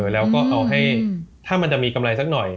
แล้วก็เอาให้ถ้ามันจะมีกำไรสักหน่อย